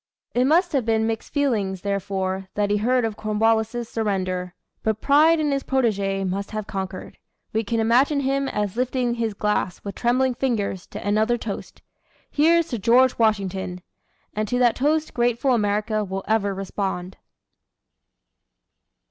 It must have been with mixed feelings, therefore, that he heard of Cornwallis's surrender. But pride in his protégé must have conquered. We can imagine him as lifting his glass with trembling fingers to another toast: "Here's to George Washington!" And to that toast grateful America will ever respond.